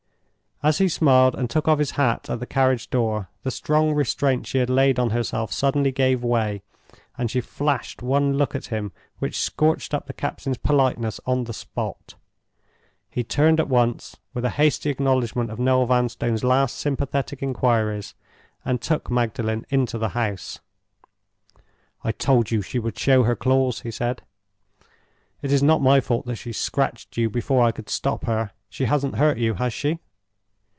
As he smiled and took off his hat at the carriage door, the strong restraint she had laid on herself suddenly gave way, and she flashed one look at him which scorched up the captain's politeness on the spot. He turned at once, with a hasty acknowledgment of Noel Vanstone's last sympathetic inquiries, and took Magdalen into the house. "I told you she would show her claws," he said. "It is not my fault that she scratched you before I could stop her. She hasn't hurt you, has she?"